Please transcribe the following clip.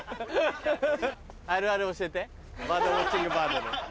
あるある教えてバードウオッチングバードの。